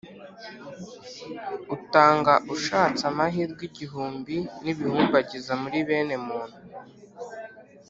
utanga ushatse amahirwe igihumbi n' ibihumbagiza muri bene muntu.